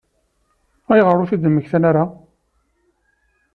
Ayɣer ur t-id-mmektan ara?